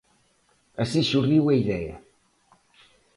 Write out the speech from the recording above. Así xurdiu a idea.